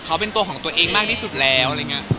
เขาเป็นตัวของตัวเองมากที่สุดแล้ว